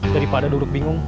daripada duduk bingung